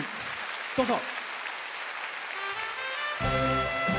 どうぞ。